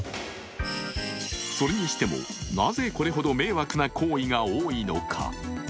それにしても、なぜこれほど迷惑な行為が多いのか。